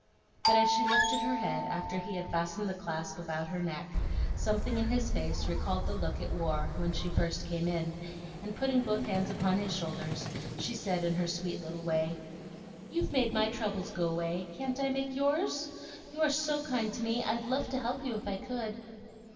But as she lifted her head after he had fastened the clasp about her neck, something in his face recalled the look it wore when she first came in, and putting both hands upon his shoulders, she said in her sweet little way, "You've made my troubles go away, can't I make yours? You are SO kind to me, I'd love to help you if I could."